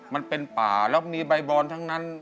มันเป็นป่าแล้วมีใบบอนทั้งนั้น